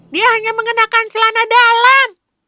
dia hanya mengenakan celana dalam